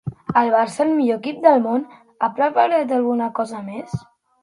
El Barça ha preparat alguna cosa més?